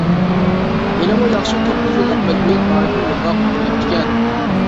ھېلىمۇ ياخشى توققۇز يىللىق مەجبۇرىيەت مائارىپى يولغا قويۇلۇپتىكەن.